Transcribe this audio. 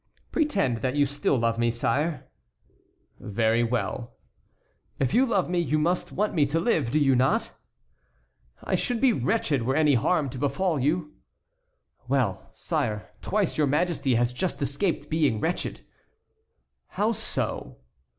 "Pretend that you still love me, sire." "Very well." "If you love me you must want me to live, do you not?" "I should be wretched were any harm to befall you." "Well, sire, twice your Majesty has just escaped being wretched." "How so?"